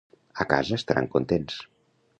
A casa estaran contents.